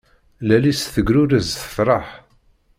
Lal-is tegrurez tferreḥ.